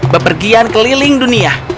berpergian keliling dunia